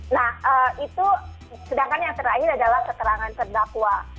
nah itu sedangkan yang terakhir adalah keterangan terdakwa